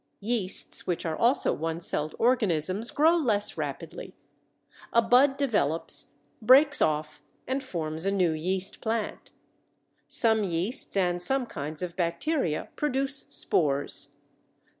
Yeasts, which are also one celled organisms, grow less rapidly. A bud develops, breaks off, and forms a new yeast plant. Some yeasts and some kinds of bacteria produce spores.